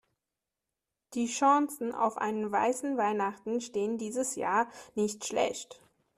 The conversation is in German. Die Chancen auf eine weiße Weihnacht stehen dieses Jahr nicht schlecht.